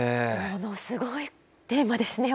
ものすごいテーマですね